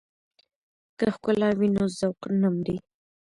که ښکلا وي نو ذوق نه مري.